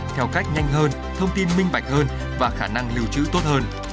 theo cách nhanh hơn thông tin minh bạch hơn và khả năng lưu trữ tốt hơn